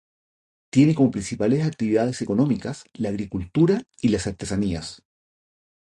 Tiene como principales actividades económicas la agricultura y las artesanías.